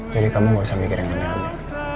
jadi kamu gak usah mikir yang aneh aneh